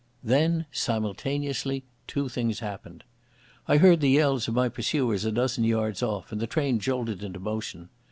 Then simultaneously two things happened. I heard the yells of my pursuers a dozen yards off, and the train jolted into motion.